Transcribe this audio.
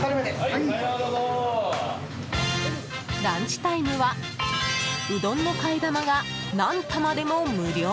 ランチタイムはうどんの替え玉が何玉でも無料。